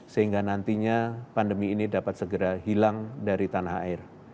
sehingga nantinya pandemi ini dapat segera hilang dari tanah air